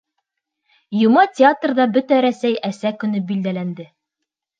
Йома театрҙа Бөтә Рәсәй Әсә көнө билдәләнде.